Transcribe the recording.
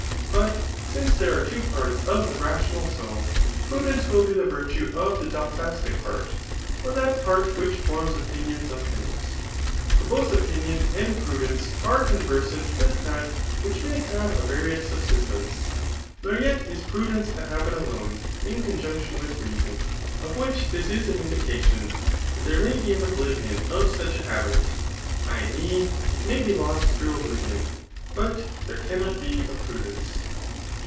Put since there are two parts of the rational soul, prudence will be the virtue of the doxastic part, [or that part which forms opinioQs of things]. For both opinion and prudence are conversant wi^ that which may have a various subsiste^ice^ Digitized by Google GHAF. VI. £THIC8. 219 Nor yet '18 prudence a habit alone in conjundioo with reason; of which this is an indication^ that there may be an obliTion of such a habit, [u e. it may be lost through oblivion;3 hut there cannot be of prudence.